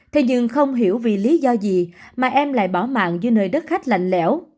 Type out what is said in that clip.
thế nhưng không hiểu vì lý do gì mà em lại bỏ mạng dưới nơi đất khách lạnh lẽo